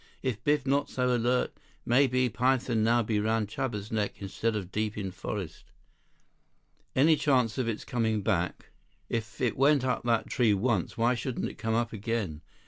If Biff not so alert, maybe python now be around Chuba's neck instead of deep in forest." "Any chance of its coming back? If it went up that tree once, why shouldn't it come up again?